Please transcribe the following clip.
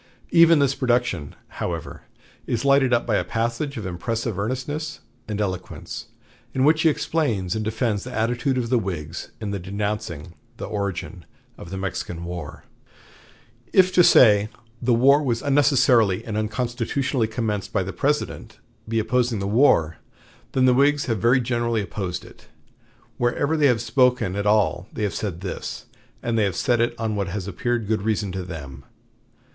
Even this production, however, is lighted up by a passage of impressive earnestness and eloquence, in which he explains and defends the attitude of the Whigs in denouncing the origin of the Mexican War: "If to say 'the war was unnecessarily and unconstitutionally commenced by the President,' be opposing the war, then the Whigs have very generally opposed it. Whenever they have spoken at all they have said this; and they have said it on what has appeared good reason to them.